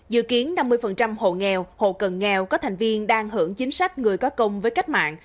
dự kiến năm mươi hộ nghèo hộ cần nghèo có thành viên đang hưởng chính sách người có công với cách mạng